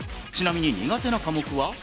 ちなみに苦手な科目は？